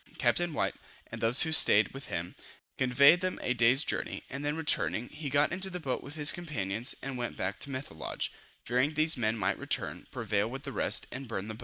Captain White, and those who staid with him, conveyed them a day's journey, and then returning, he got into the boat with his companions, and went back to Methelage, fearing these men might return, prevail with the rest, and burn the boat.